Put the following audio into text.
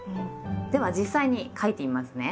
では実際に書いてみますね。